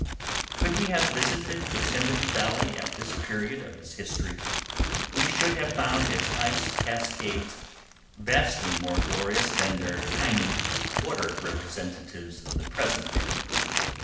Could we have visited Yosemite Valley at this period of its history, we should have found its ice cascades vastly more glorious than their tiny water representatives of the present day.